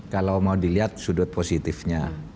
kalau mau dilihat sudut positifnya